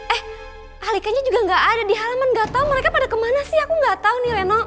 eh alikanya juga nggak ada di halaman gak tau mereka pada kemana sih aku nggak tahu nih reno